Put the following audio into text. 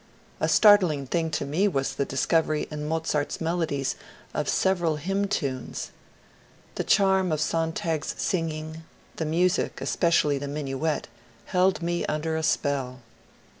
A startling thing to me was the discovery in Mozart's melodies of several hymn tunes. The charm of Sontag's singing — the music, especially the minuet — held me under a spell.